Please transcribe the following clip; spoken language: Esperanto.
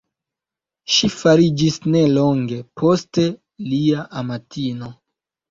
Ŝi fariĝis nelonge poste lia amatino.